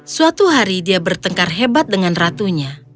suatu hari dia bertengkar hebat dengan ratunya